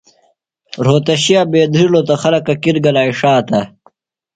رھوتشیہ بیدھرِلوۡ تہ خلکہ کِرہ گلا ݜاتہ۔